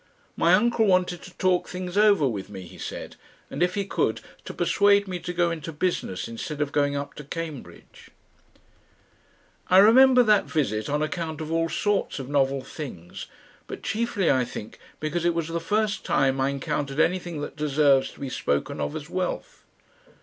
My uncle wanted to talk things over with me, he said, and if he could, to persuade me to go into business instead of going up to Cambridge. I remember that visit on account of all sorts of novel things, but chiefly, I think, because it was the first time I encountered anything that deserves to be spoken of as wealth.